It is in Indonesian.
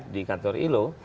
di kantor ilo